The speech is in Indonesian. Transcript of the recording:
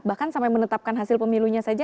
bahkan sampai menetapkan hasil pemilunya saja